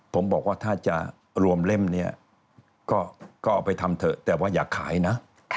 ผมบอกว่าถ้าจะรวมเล่มเนี่ยก็เอาไปทำเถอะแต่ว่าอยากขายนะ